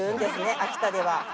秋田では。